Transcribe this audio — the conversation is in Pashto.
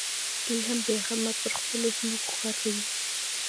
دوى هم بېغمه پر خپلو ځمکو کار کوي.